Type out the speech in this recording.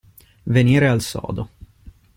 Venire al sodo.